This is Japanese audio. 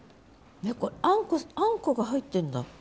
これあんこが入ってるんだ。